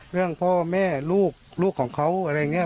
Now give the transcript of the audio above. เรื่องพ่อแม่ลูกลูกของเขาอะไรอย่างนี้